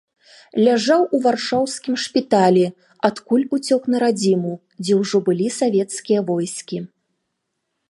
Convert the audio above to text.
Ляжаў у варшаўскім шпіталі, адкуль уцёк на радзіму, дзе ўжо былі савецкія войскі.